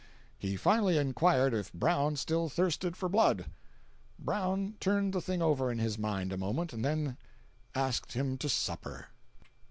He finally inquired if Brown still thirsted for blood. Brown turned the thing over in his mind a moment, and then—asked him to supper.